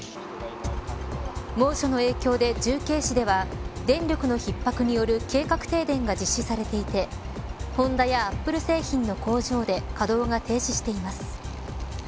猛暑の影響で、重慶市では電力の逼迫による計画停電が実施されていてホンダやアップル製品の工場で稼働が停止しています。